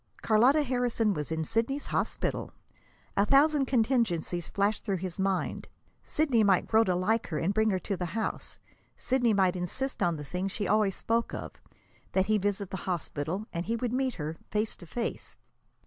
Carlotta Harrison was in Sidney's hospital! A thousand contingencies flashed through his mind. Sidney might grow to like her and bring her to the house. Sidney might insist on the thing she always spoke of that he visit the hospital; and he would meet her, face to face.